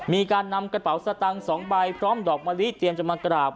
มีการนำกระเป๋าสตังค์๒ใบพร้อมดอกมะลิเตรียมจะมากราบ